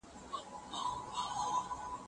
دا خبره مه رد کوئ.